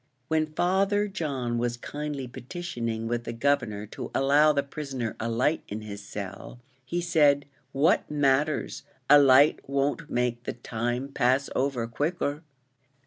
When Father John was kindly petitioning with the Governor to allow the prisoner a light in his cell, he said, "What matters? a light won't make the time pass over quicker."